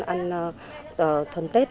sẽ là một bữa ăn thuần tết